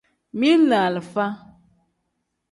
Mili ni alifa.